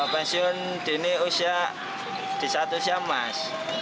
pensiun dini usia di satu usia emas